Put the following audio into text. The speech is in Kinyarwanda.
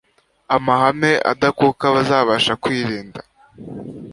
amahame adakuka bazabasha kwirinda